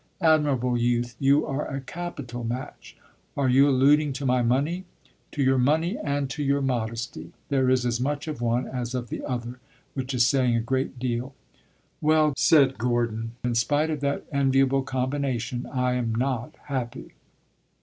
"Admirable youth, you are a capital match!" "Are you alluding to my money?" "To your money and to your modesty. There is as much of one as of the other which is saying a great deal." "Well," said Gordon, "in spite of that enviable combination, I am not happy."